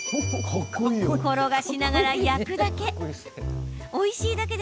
転がしながら、焼くだけ。